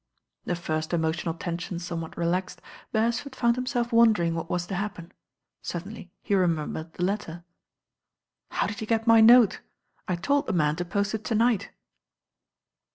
The first emotional tension somewhat relaxed, Beresford found himself wondering what was to happ'in. Suddenly he remembered the letter. "How did you get my note? I told the man to post it to night."